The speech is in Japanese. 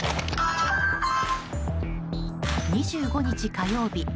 ２５日火曜日